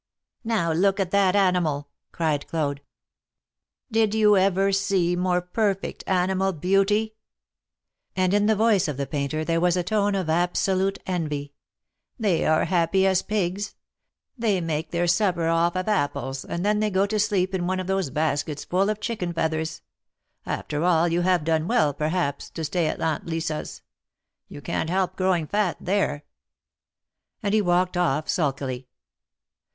Now look at that animal," cried Claude. Did you ever see more perfect animal beauty ?" And in the voice of the painter there was a tone of absolute envy. ''They are as happy as pigs. They make their supper oft' of apples, and then they go to sleep in one of those baskets full of chickens' feathers. After all, you have done well, perhaps, to stay at Aunt Lisa's. You can't help growing fat there !" And he walked off sulkily.